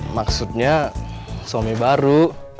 maksudnya suami baru